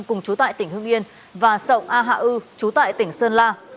cùng chú tại tỉnh hưng yên và sộng a hạ ư chú tại tỉnh sơn la